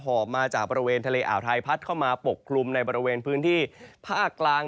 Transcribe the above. หอบมาจากบริเวณทะเลอ่าวไทยพัดเข้ามาปกคลุมในบริเวณพื้นที่ภาคกลาง